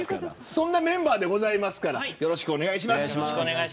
そんなメンバーですからよろしくお願いします。